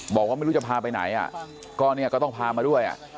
บอกว่าไม่รู้จะพาไปไหนก็ต้องพามาด้วย